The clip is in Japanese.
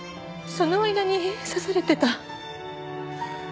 その間に刺されてた。